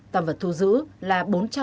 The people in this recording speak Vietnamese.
tăng vật thu giữ là